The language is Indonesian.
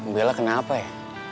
bella kenapa ya